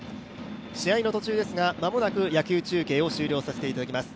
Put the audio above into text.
試合の途中ですが、間もなく野球中継を終了させていただきます。